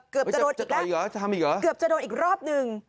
เกือบจะโดนอีกรอบนึง